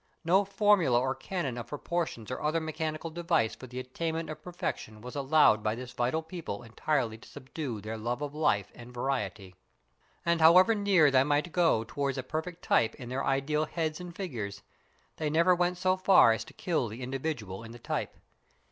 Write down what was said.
No formula or canon of proportions or other mechanical device for the attainment of perfection was allowed by this vital people entirely to subdue their love of life and variety. And however near they might go towards a perfect type in their ideal heads and figures, they never went so far as to kill the individual in the type.